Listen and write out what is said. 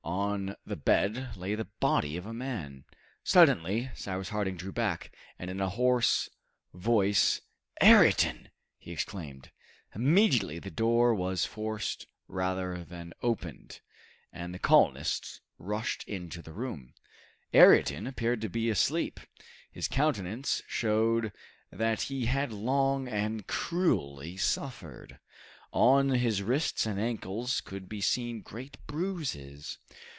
On the bed lay the body of a man. Suddenly Cyrus Harding drew back, and in a hoarse voice, "Ayrton!" he exclaimed. Immediately the door was forced rather than opened, and the colonists rushed into the room. Ayrton appeared to be asleep. His countenance showed that he had long and cruelly suffered. On his wrists and ankles could be seen great bruises.